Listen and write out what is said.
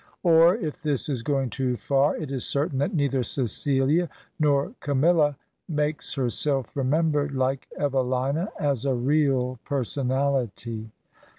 Or, if this is going too far, it is certain that neither Ceciha nor Camilla makes herself remembered like Evelina as a real personahty.